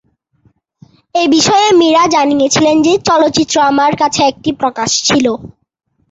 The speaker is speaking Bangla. এই বিষয়ে মীরা জানিয়েছিলেন যে, "চলচ্চিত্রটি আমার কাছে একটি প্রকাশ ছিল"।